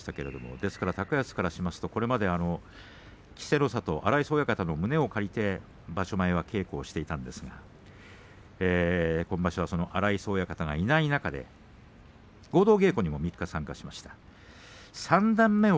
ですから高安からしますとこれまで稀勢の里・荒磯親方の胸を借りて場所前の稽古をしていたんですが今場所はその荒磯親方がいない中で合同稽古にも３日参加しました。